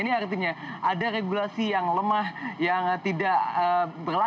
ini artinya ada regulasi yang lemah yang tidak berlaku